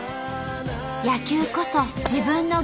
野球こそ自分の原点。